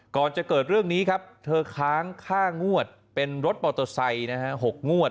ก่อนจะเกิดเรื่องนี้ครับเธอค้างค่างวดเป็นรถมอเตอร์ไซค์นะฮะ๖งวด